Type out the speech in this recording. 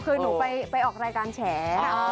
คือหนูไปออกรายการแฉ